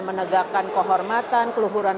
menegakkan kehormatan keluhuran